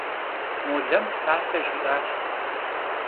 Молэм псалъэ жиӏащ.